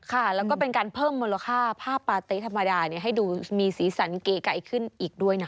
ค่ะแล้วก็เป็นการเพิ่มมูลค่าผ้าปาเต๊ะธรรมดาให้ดูมีสีสันเกไก่ขึ้นอีกด้วยนะคะ